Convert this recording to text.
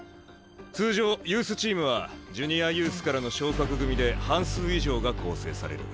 通常ユースチームはジュニアユースからの昇格組で半数以上が構成される。